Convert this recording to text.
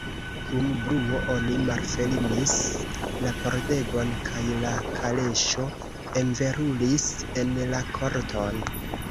Kun bruo oni malfermis la pordegon, kaj la kaleŝo enveluris en la korton.